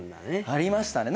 ありましたね。